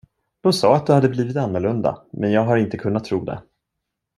De sade att du hade blivit annorlunda men jag har inte kunnat tro det.